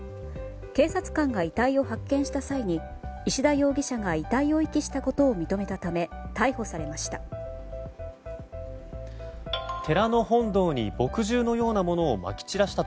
警察官が遺体を発見した際に石田容疑者が遺体を遺棄したことを認めたため逮捕されました。